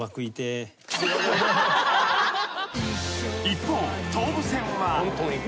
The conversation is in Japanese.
［一方東武線は］